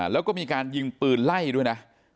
แล้วก็มีการยิงปืนไล่ด้วยนะ